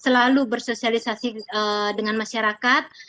selalu bersosialisasi dengan masyarakat